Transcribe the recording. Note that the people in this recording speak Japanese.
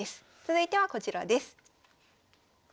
続いてはこちらです。